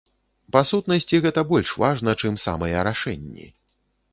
Па сутнасці, гэта больш важна, чым самыя рашэнні.